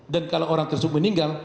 dan kalau orang tersebut meninggal